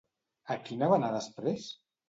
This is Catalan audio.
A quina va anar després?